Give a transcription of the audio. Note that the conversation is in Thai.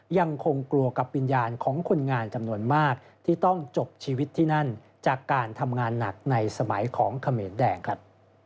ยังคงกลัวกับวิญญาณของคนงานจำนวนมากที่ต้องจบชีวิตที่นั่นจากการทำงานหนักในสมัยของเขมรแดงครับ